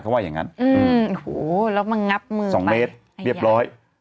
เขาว่าอย่างงั้นอืมโอ้โหแล้วมางับมือสองเมตรเรียบร้อย